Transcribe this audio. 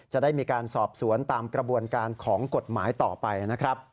จะได้มีการสอบสวนตามกระบวนการของกฎหมายต่อไปนะครับ